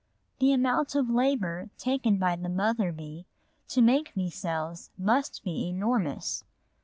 The amount of labour taken by the mother bee to make these cells must be enormous.